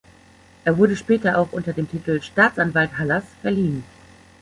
Er wurde später auch unter dem Titel "Staatsanwalt Hallers" verliehen.